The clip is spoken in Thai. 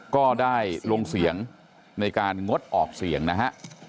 ก็ได้ลงเสียงในการงดออกเสียงนะฮะ